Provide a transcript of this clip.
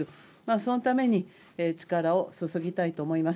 そのために力を注ぎたいと思います。